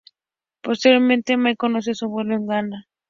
Posteriormente May conoció a su abuelo en Gana.